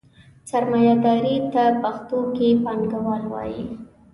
سرمایهداري ته پښتو کې پانګواله وایي.